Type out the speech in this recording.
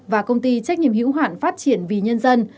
và công ty trách nhiệm hiểu hạn phát triển vì nhân dân